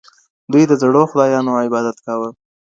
دوی د زړو خدايانو عبادت کاوه.